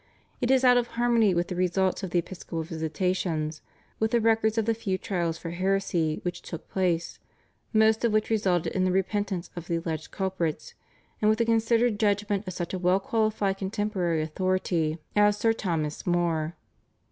It is out of harmony with the results of the episcopal visitations, with the records of the few trials for heresy which took place, most of which resulted in the repentance of the alleged culprits, and with the considered judgment of such a well qualified contemporary authority as Sir Thomas More.